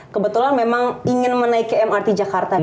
kebetulan memang ingin menaiki mrt jakarta